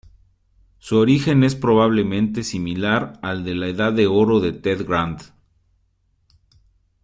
Su origen es probablemente similar al de la edad de oro de Ted Grant.